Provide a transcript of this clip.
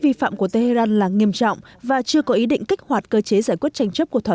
vi phạm của tehran là nghiêm trọng và chưa có ý định kích hoạt cơ chế giải quyết tranh chấp của thỏa